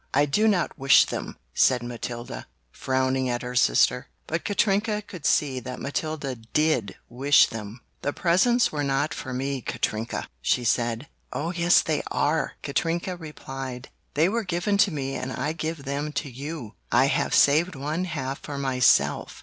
"I do not wish them!" said Matilda, frowning at her sister. But Katrinka could see that Matilda did wish them. "The presents were not for me, Katrinka!" she said. "Oh yes they are!" Katrinka replied. "They were given to me and I give them to you! I have saved one half for myself!